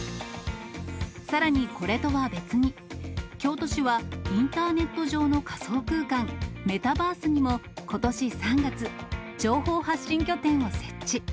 さらにこれとは別に、京都市は、インターネット上の仮想空間、メタバースにも、ことし３月、情報発信拠点を設置。